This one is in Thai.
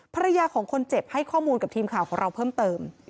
ภรรยาของคนเจ็บให้ข้อมูลกับทีมข่าวของเราเพิ่มเติม